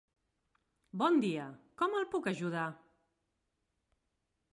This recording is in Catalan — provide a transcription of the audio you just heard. Bon dia, com el puc ajudar?